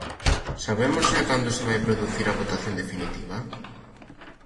Sabemos xa cando se vai producir a votación definitiva?